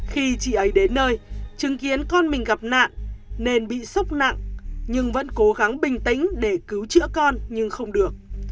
khi chị ấy đến nơi chứng kiến con mình gặp nạn nên bị sốc nặng nhưng vẫn cố gắng bình tĩnh để cứu chữa con nhưng không được